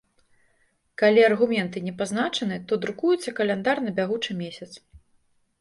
Калі аргументы не пазначаны, то друкуецца каляндар на бягучы месяц.